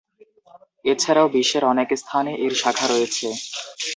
এছাড়াও, বিশ্বের অনেক স্থানে এর শাখা রয়েছে।